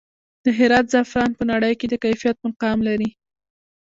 د هرات زعفران په نړۍ کې د کیفیت مقام لري